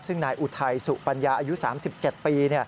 ซึ่งนายอุทัยสุปัญญาอายุ๓๗ปี